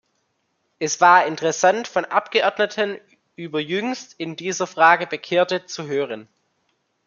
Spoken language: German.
Es war interessant, von Abgeordneten über jüngst in dieser Frage Bekehrte zu hören.